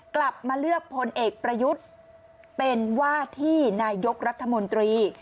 กลับมาเลือกพลเอกประยุทธ์เป็นว่าที่นายกรัฐมนตรี